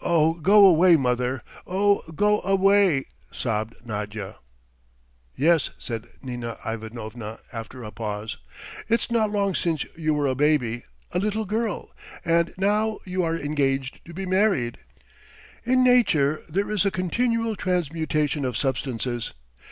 "Oh, go away, mother, oh, go away," sobbed Nadya. "Yes," said Nina Ivanovna after a pause, "it's not long since you were a baby, a little girl, and now you are engaged to be married. In nature there is a continual transmutation of substances.